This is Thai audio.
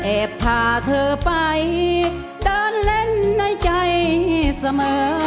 พาเธอไปเดินเล่นในใจเสมอ